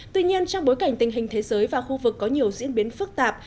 tuy nhiên trong bối cảnh tình hình thế giới và khu vực có nhiều diễn biến phức tạp